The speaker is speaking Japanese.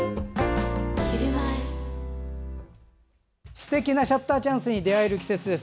すてきなシャッターチャンスに出会える季節です。